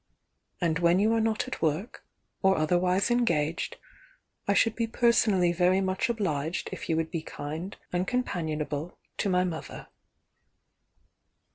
And when you are not at work, or othrr wise engaged, I should be personally very much obliged if you would be kind and companionable to my mother."